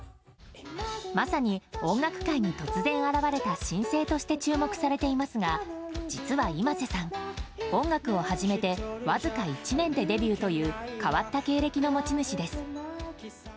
まさに、音楽界に突然現れた新星として注目されていますが実はｉｍａｓｅさん音楽を始めてわずか１年でデビューという変わった経歴の持ち主です。